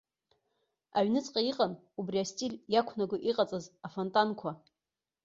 Аҩныҵҟа иҟан убри астиль иақәнаго иҟаҵаз афонтанқәа.